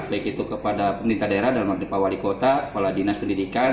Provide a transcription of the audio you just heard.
baik itu kepada pendeta daerah dan wali kota kepala dinas pendidikan